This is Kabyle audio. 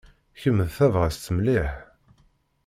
Kemm d tabɣast mliḥ.